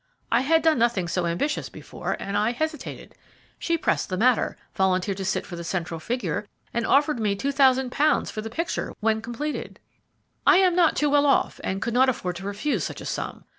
I had done nothing so ambitious before, and I hesitated. She pressed the matter, volunteered to sit for the central figure, and offered me £2,000 for the picture when completed. "I am not too well off, and could not afford to refuse such a sum.